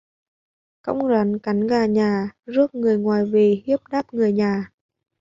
Cõng rắn cắn gà nhà: rước người ngoài về hiếp đáp người nhà